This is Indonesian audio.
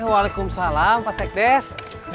waalaikumsalam pak sekdes